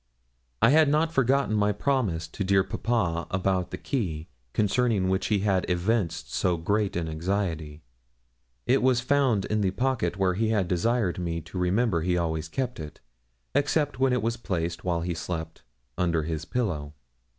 I had not forgotten my promise to dear papa about the key, concerning which he had evinced so great an anxiety. It was found in the pocket where he had desired me to remember he always kept it, except when it was placed, while he slept, under his pillow.